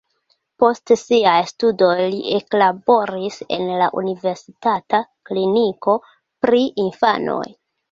Post siaj studoj li eklaboris en la universitata kliniko pri infanoj.